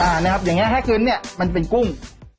อ่านะครับอย่างงี้แห้กื้นเนี่ยมันเป็นกุ้ง